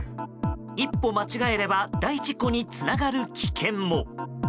一歩間違えれば大事故につながる危険も。